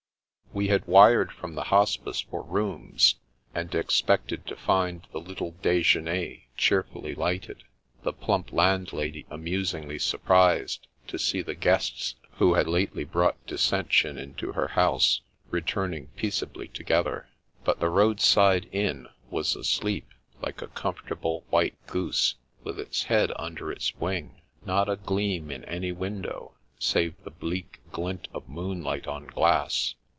We had wired from the Hospice for rooms, and expected to find the little " Dejeuner " cheerfully lighted, the plump landlady amusingly surprised to see the guests who had lately brought dissension into her house returning peaceably together. But the roadside inn was asleep like a comfortable white goose with its head under its wing. Not a gleam in any window, save the bleak glint of moonlight on glass.